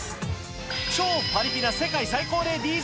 超パリピな世界最高齢ＤＪ